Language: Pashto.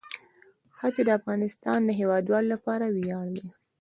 ښتې د افغانستان د هیوادوالو لپاره ویاړ دی.